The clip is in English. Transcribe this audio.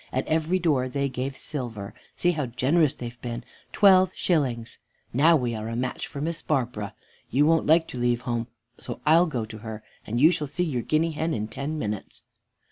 At every door they gave silver. See how generous they have been twelve shillings. Now we are a match for Miss Barbara. You won't like to leave home, so I'll go to her, and you shall see your guinea hen in ten minutes."